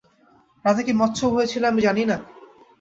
রাতে কী মচ্ছব হয়েছিল আমি জানি না?